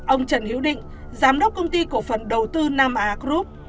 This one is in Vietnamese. ông trần hiếu định giám đốc công ty cổ phần đầu tư năm a group